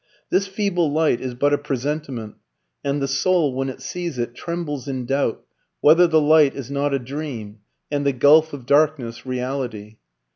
This feeble light is but a presentiment, and the soul, when it sees it, trembles in doubt whether the light is not a dream, and the gulf of darkness reality.